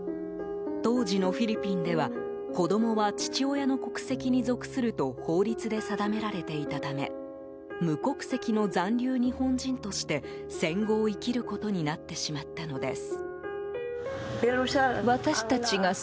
当時のフィリピンでは子供は父親の国籍に属すると法律で定められていたため無国籍の残留日本人として戦後を生きることになってしまったのです。